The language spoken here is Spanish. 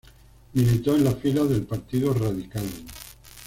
Militó en las filas del Partido Radical.